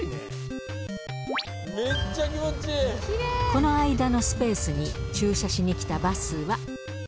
この間のスペースに駐車しにきたバスは。